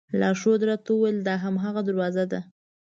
لارښود راته وویل دا هماغه دروازه ده.